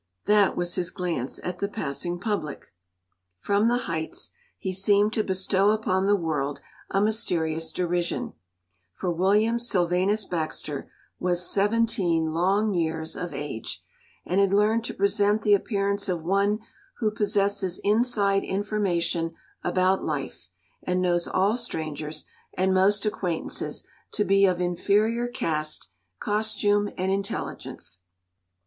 That was his glance at the passing public. From the heights, he seemed to bestow upon the world a mysterious derision for William Sylvanus Baxter was seventeen long years of age, and had learned to present the appearance of one who possesses inside information about life and knows all strangers and most acquaintances to be of inferior caste, costume, and intelligence.